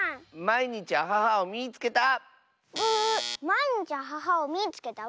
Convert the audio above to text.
「まいにちアハハをみいつけた！」